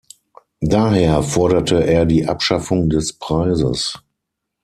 Daher forderte er die Abschaffung des Preises.